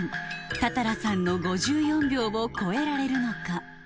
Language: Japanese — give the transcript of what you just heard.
多々良さんの５４秒を超えられるのか？